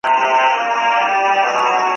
یو ابا یوه ابۍ کړې یو یې دېګ یو یې دېګدان کې